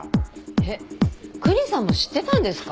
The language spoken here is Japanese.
えっクニさんも知ってたんですか？